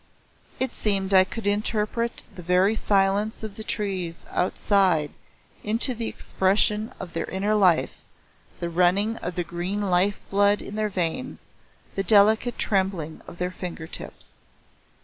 It seemed I could interpret the very silence of the trees outside into the expression of their inner life, the running of the green life blood in their veins, the delicate trembling of their finger tips.